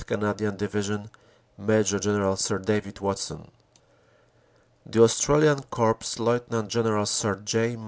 Canadian Division, Major General Sir David Watson. The Australian Corps, Lieut. General Sir J.